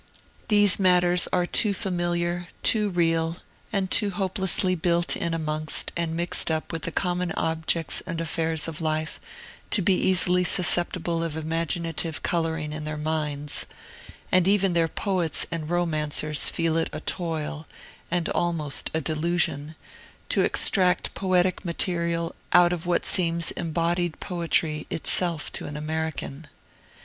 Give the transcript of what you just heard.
These matters are too familiar, too real, and too hopelessly built in amongst and mixed up with the common objects and affairs of life, to be easily susceptible of imaginative coloring in their minds; and even their poets and romancers feel it a toil, and almost a delusion, to extract poetic material out of what seems embodied poetry itself to an American.